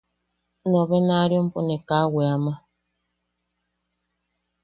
Nobenaariompo ne kaa a weama.